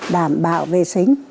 đảm bảo vệ sinh